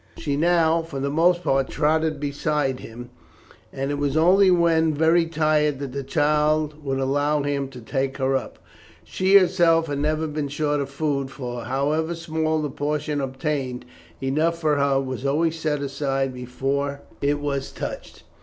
She now, for the most part, trotted beside him, and it was only when very tired that the child would allow him to take her up. She herself had never been short of food, for however small the portion obtained, enough for her was always set aside before it was touched.